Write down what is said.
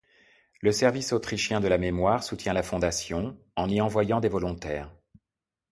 Le service autrichien de la Mémoire soutient la fondation, en y envoyant des volontaires.